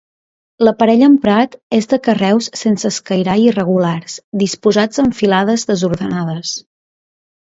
L'aparell emprat és de carreus sense escairar i irregulars, disposats en filades desordenades.